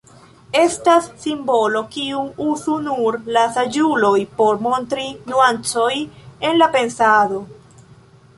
Estas simbolo, kiun uzu nur la saĝuloj por montri nuancoj en la pensado.